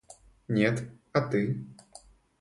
Нет, а ты?